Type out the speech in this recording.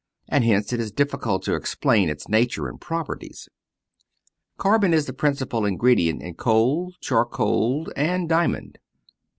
And hence it is difficult to explain its nature and properties. Carbon is the principal ingredient in coal, charcoal, and diamond.